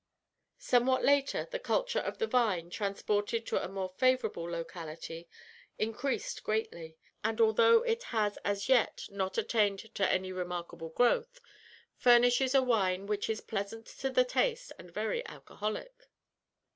Somewhat later, the culture of the vine, transported to a more favourable locality, increased greatly; and although it has as yet not attained to any remarkable growth, furnishes a wine which is pleasant to the taste and very alcoholic.